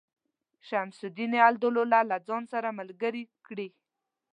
شمس الدوله له ځان سره ملګري کړي.